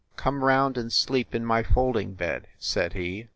"Come round and sleep in my folding bed," said he.